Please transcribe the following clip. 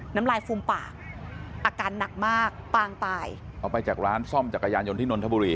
น้ำลายฟูมปากอาการหนักมากปางตายเอาไปจากร้านซ่อมจักรยานยนต์ที่นนทบุรี